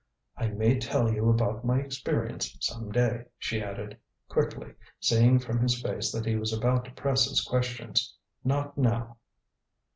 "I may tell you about my experience some day," she added, quickly, seeing from his face that he was about to press his questions. "Not now."